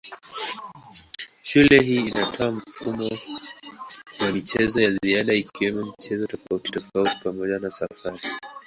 Shule hii inatoa mfumo wa michezo ya ziada ikiwemo michezo tofautitofauti pamoja na safari.